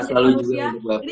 semoga juga buat manusia